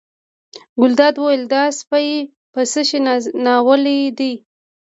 ګلداد وویل دا سپی په څه شي ناولی دی.